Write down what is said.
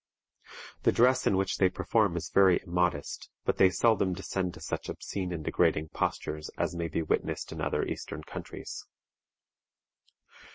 The dress in which they perform is very immodest, but they seldom descend to such obscene and degrading postures as may be witnessed in other Eastern countries.